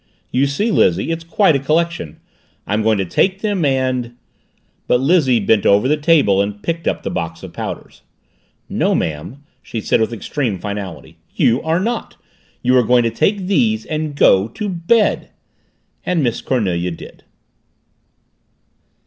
"You see, Lizzie, it's quite a collection. I'm going to take them and " But Lizzie bent over the table and picked up the box of powders. "No, ma'am," she said with extreme finality. "You are not. You are going to take these and go to bed." And Miss Cornelia did.